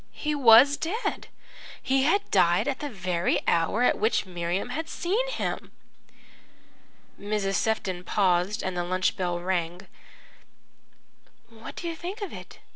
He was dead he had died at the very hour at which Miriam had seen him." Mrs. Sefton paused, and the lunch bell rang. "What do you think of it?"